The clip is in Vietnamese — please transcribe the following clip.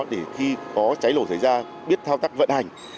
để khi có cháy nổ xảy ra biết thao tác vận hành